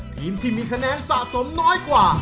ทีมที่มีคะแนนสะสมน้อยกว่า